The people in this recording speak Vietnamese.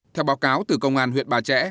theo báo cáo từ công an huyện ba trẻ